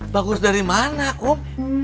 bagus dari mana kom